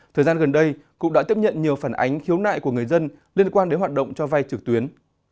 thời gian gần đây cũng đã tiếp nhận nhiều phản ánh khiếu nại của người dân liên quan đến hoạt động cho vay trực tuyến